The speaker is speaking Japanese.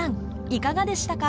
いかがでしたか？